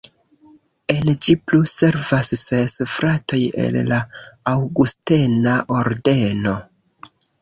En ĝi plu servas ses fratoj el la aŭgustena ordeno.